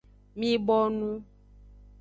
Mi bonu.